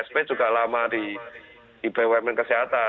maksud saya di bidang ahli aja